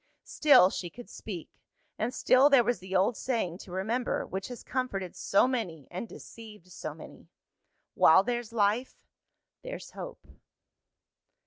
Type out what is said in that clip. Still she could speak; and still there was the old saying to remember, which has comforted so many and deceived so many: While there's life, there's hope.